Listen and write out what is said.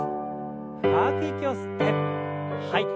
深く息を吸って吐いて。